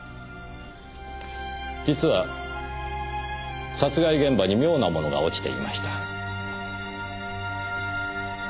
実は殺害現場に妙なものが落ちていました。